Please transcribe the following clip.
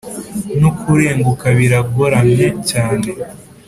Ni ukurenguka biragoramye cyane